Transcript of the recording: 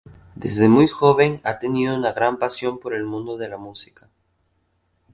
Desde muy joven ha tenido una gran pasión por el mundo de la música.